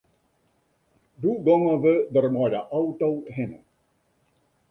Doe gongen we der mei de auto hinne.